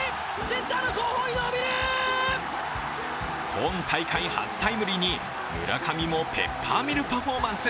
今大会初タイムリーに村上もペッパーミルパフォーマンス。